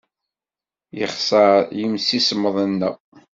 Yexṣer yemsismeḍ-nneɣ.